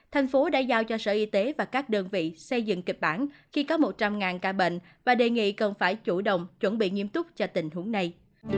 thành phố đã giao cho sở y tế và các đơn vị xây dựng kịch bản khi có một trăm linh ca bệnh và đề nghị cần phải chủ động chuẩn bị nghiêm túc cho tình huống này